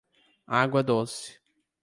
Água Doce